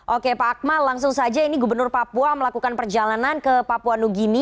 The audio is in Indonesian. oke pak akmal langsung saja ini gubernur papua melakukan perjalanan ke papua new guinea